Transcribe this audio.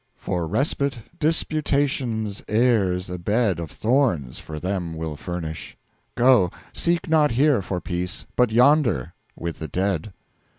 For Respite, disputatious Heirs a Bed Of Thorns for them will furnish. Go, Seek not Here for Peace but Yonder with the Dead.